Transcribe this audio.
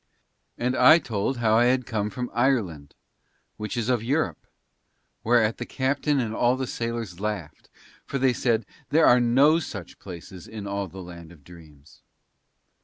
And I told how I came from Ireland, which is of Europe, whereat the captain and all the sailors laughed, for they said, "There are no such places in all the land of dreams."